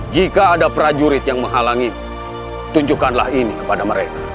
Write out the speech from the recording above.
jika ada prajurit yang menghalangi tunjukkanlah ini kepada mereka